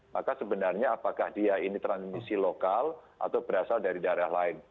maka sebenarnya apakah dia ini transmisi lokal atau berasal dari daerah lain